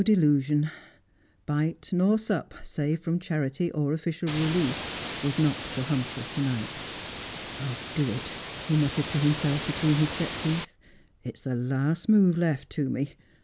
delusion. Bite nor sup, save from charity or official relief, was not for Humphrey to night. 'I'll do it,' he muttered to himself between his set teeth. ' It's the last move left to me.